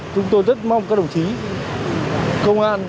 chúng tôi rất mong các đồng chí công an